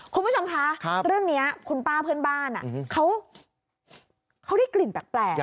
คุณผู้ชมคะเรื่องนี้คุณป้าเพื่อนบ้านเขาได้กลิ่นแปลก